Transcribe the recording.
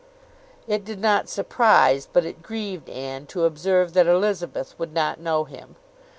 It did not surprise, but it grieved Anne to observe that Elizabeth would not know him.